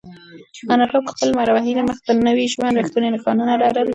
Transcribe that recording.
انارګل په خپل لمر وهلي مخ د نوي ژوند رښتونې نښانونه لرل.